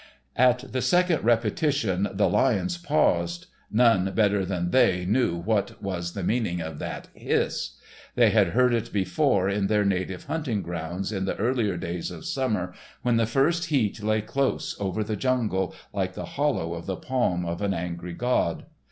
At the second repetition the lions paused. None better than they knew what was the meaning of that hiss. They had heard it before in their native hunting grounds in the earlier days of summer, when the first heat lay close over all the jungle like the hollow of the palm of an angry god.